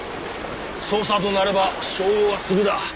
捜査となれば照合はすぐだ。